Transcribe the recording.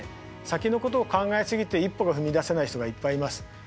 先のことを考え過ぎて一歩が踏み出せない人がいっぱいいます。